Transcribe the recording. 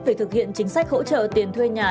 về thực hiện chính sách hỗ trợ tiền thuê nhà